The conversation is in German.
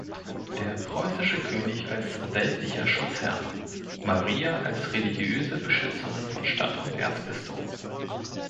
Der preußische König als weltlicher Schutzherr, Maria als religiöse Beschützerin von Stadt und Erzbistum.